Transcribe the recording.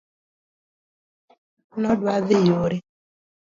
nodwadhi yore